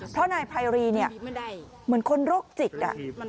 เพราะนายไพรรีเนี่ยเหมือนคนโรคจิต